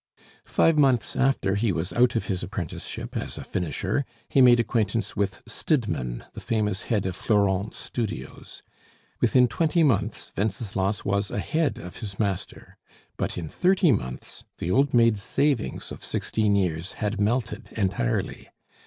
Five months after he was out of his apprenticeship as a finisher, he made acquaintance with Stidmann, the famous head of Florent's studios. Within twenty months Wenceslas was ahead of his master; but in thirty months the old maid's savings of sixteen years had melted entirely.